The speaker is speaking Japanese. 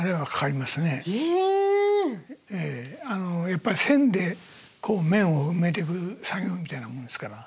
やっぱり線で面を埋めてく作業みたいなもんですから。